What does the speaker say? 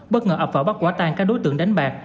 bất ngờ ập vào bắt quả tan các đối tượng đánh bạc